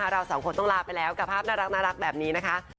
เราสองคนต้องลาไปแล้วกับภาพน่ารักแบบนี้นะคะ